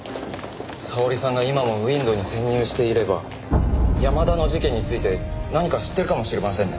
沙織さんが今もＷＩＮＤに潜入していれば山田の事件について何か知ってるかもしれませんね。